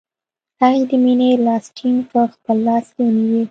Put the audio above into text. هغې د مینې لاس ټینګ په خپل لاس کې ونیوه